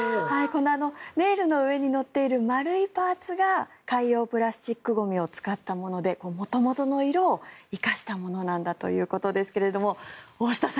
ネイルの上に乗っている丸いパーツが海洋プラスチックゴミを使ったもので元々の色を生かしたものだということですが大下さん